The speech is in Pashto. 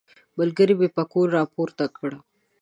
ملګري مې پکول راپورته کړ.